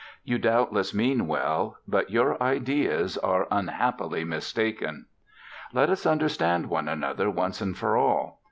You doubtless mean well; but your ideas are unhappily mistaken. Let us understand one another once and for all.